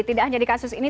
tidak hanya di kasus ini